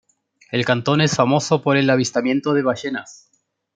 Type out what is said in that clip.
El cantón es famoso por el avistamiento de ballenas.